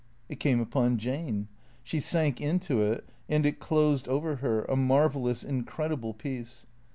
It came upon Jane. She sank into it and it closed over her, a marvellous, incredible peace.